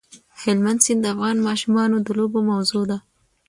هلمند سیند د افغان ماشومانو د لوبو موضوع ده.